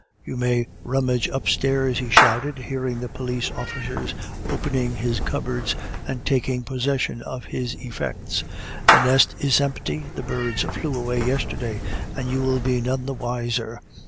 you may rummage upstairs," he shouted, hearing the police officers opening his cupboards and taking possession of his effects. "The nest is empty, the birds flew away yesterday, and you will be none the wiser.